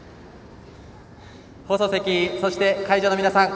放送席、そして会場の皆さん。